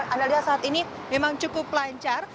anda lihat saat ini memang cukup lancar